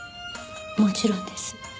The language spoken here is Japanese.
もちろんです。